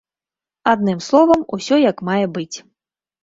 Адным словам, усё як мае быць.